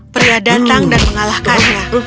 pria datang dan mengalahkannya